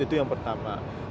itu yang pertama